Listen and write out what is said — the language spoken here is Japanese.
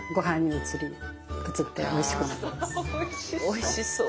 おいしそう！